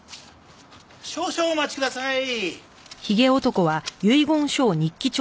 少々お待ちください。